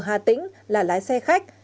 ở hà tĩnh là lái xe khách